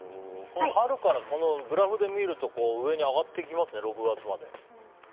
春から、このグラフで見ると上に上がっていますね、６月まで。